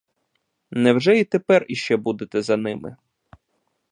Невже й тепер іще будете за ними?